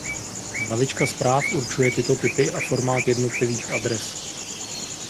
Hlavička zpráv určuje tyto typy a formát jednotlivých adres.